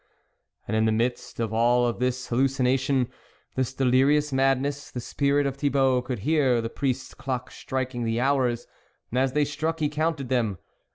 And in the midst of all this hallucination, this delirious madness, the spirit of Thi bault could hear the priest's clock striking the hours, and as they struck he counted them.